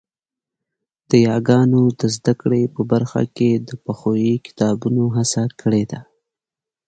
د یاګانو د زده کړې په برخه کې د پښويې کتابونو هڅه کړې ده